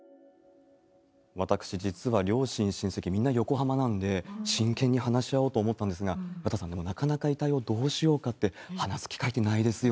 私、実は両親、親せき、みんな横浜なんで、真剣に話し合おうと思ったんですが、岩田さん、でも、なかなか遺体をどうしようかって、話す機会ってないですよ